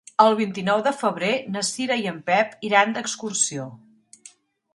El vint-i-nou de febrer na Cira i en Pep iran d'excursió.